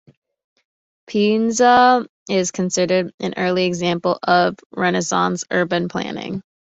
Pienza is considered an early example of Renaissance urban planning.